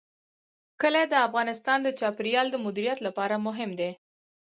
کلي د افغانستان د چاپیریال د مدیریت لپاره مهم دي.